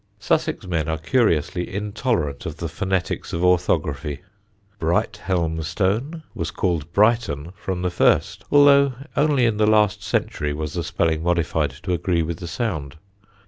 Sussex men are curiously intolerant of the phonetics of orthography. Brighthelmstone was called Brighton from the first, although only in the last century was the spelling modified to agree with the sound.